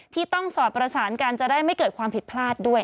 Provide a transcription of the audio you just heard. ที่ต้องสอดประสานกันจะได้ไม่เกิดความผิดพลาดด้วย